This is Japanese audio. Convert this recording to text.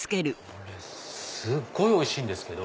すごいおいしいんですけど。